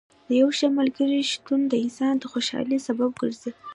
د یو ښه ملګري شتون د انسان د خوشحالۍ سبب ګرځي.